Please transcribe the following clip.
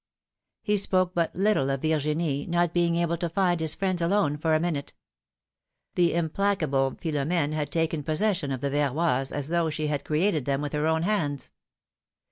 He spoke but little of Virginie, not being able to find his friends alone for a minute. The implacable Philomene had taken possession of the Verroys, as though she had created them with her own hands.